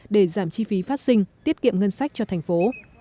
để giảm chi phí phát sinh tiết kiệm ngân sách cho thành phố